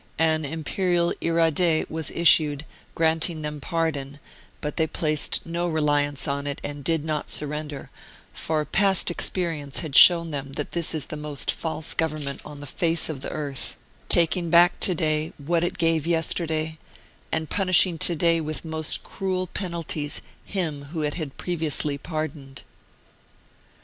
An Imperial Iradeh was issued, granting them pardon, but they placed no reliance on it and did not surrender, for past experience had shown them that this is the most false Government on the face of the earth, taking back to day what it gave yesterday, and punishing to day with most cruel penalties him whom it had previously pardoned.